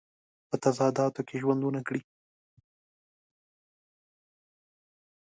په تضاداتو کې ژوند ونه کړي.